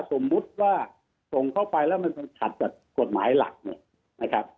สมมติว่าส่งเข้าไปแล้วมันต้องหลักกับกฎหมายหลัก